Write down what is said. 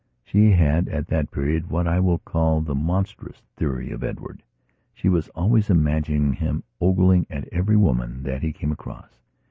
She had at that period what I will call the "monstrous" theory of Edward. She was always imagining him ogling at every woman that he came across.